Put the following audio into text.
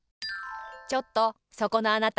ちょっとそこのあなた。